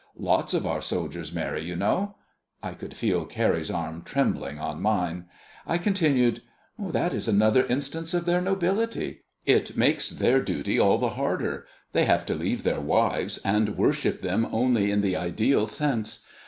"Lots of our soldiers marry, you know." I could feel Carrie's arm trembling on mine. I continued: "That is another instance of their nobility. It makes their duty all the harder. They have to leave their wives, and worship them only in the ideal sense.